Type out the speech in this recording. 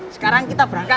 sekarang kita berangkat